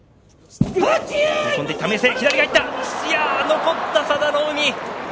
残った佐田の海。